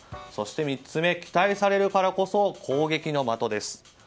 そして、３つ目期待されるからこそ攻撃の的です。